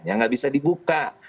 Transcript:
yang tidak bisa dibuka